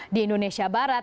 di indonesia barat